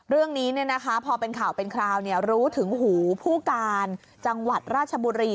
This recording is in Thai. เรื่องนี้พอเป็นข่าวเป็นคราวรู้ถึงหูผู้การจังหวัดราชบุรี